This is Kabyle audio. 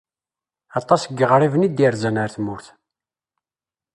Aṭas n yeɣriben i d-irzan ɣer tmurt.